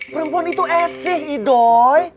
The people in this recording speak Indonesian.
perempuan itu esih doi